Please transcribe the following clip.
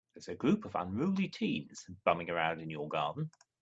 There's a group of unruly teens bumming around in your garden.